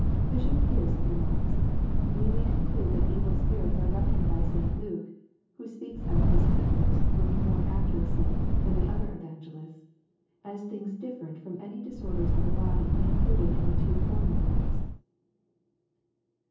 Bishop Pearce remarks, " We may conclude that evil spirits are reckoned by St. Luke, (who speaks of distempers with more accuracy than the other evangelists,) as things different from any disorders of the body included in the two former words."